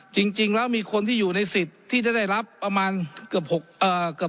จริงแล้วมีคนที่อยู่ในสิทธิ์ที่จะได้รับประมาณเกือบ